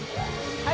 はい！